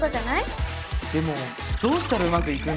でもどうしたらうまくいくんだろう？